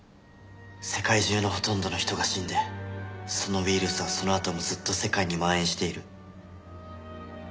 世界中のほとんどの人が死んでそのウイルスはそのあともずっと世界に蔓延している。